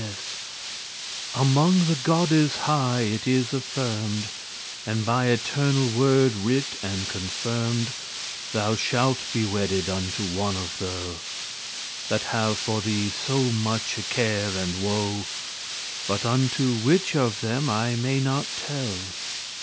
*cease Among the goddes high it is affirm'd, And by eternal word writ and confirm'd, Thou shalt be wedded unto one of tho* *those That have for thee so muche care and woe: But unto which of them I may not tell.